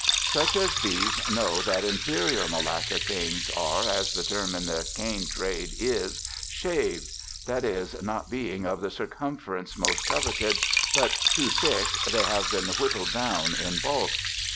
Such as these know that inferior Malacca canes are, as the term in the cane trade is, "shaved"; that is, not being of the circumference most coveted, but too thick, they have been whittled down in bulk.